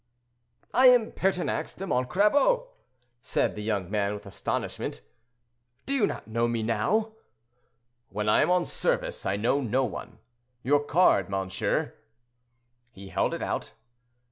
"I am Pertinax de Montcrabeau," replied the young man, with astonishment. "Do you not know me now?" "When I am on service, I know no one. Your card, monsieur?" He held it out.